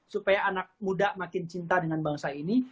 supaya anak muda makin cinta dengan bangsa ini